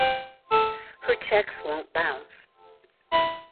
Her checks won't bounce.